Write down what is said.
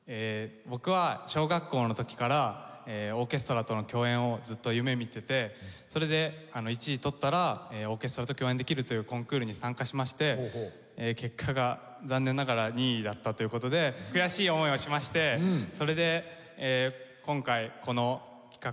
僕は小学校の時からオーケストラとの共演をずっと夢見ていてそれで１位取ったらオーケストラと共演できるというコンクールに参加しまして結果が残念ながら２位だったという事で悔しい思いをしましてそれで今回この企画に応募させて頂きました。